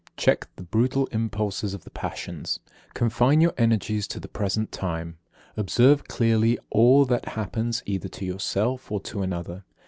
Check the brutal impulses of the passions. Confine your energies to the present time. Observe clearly all that happens either to yourself or to another.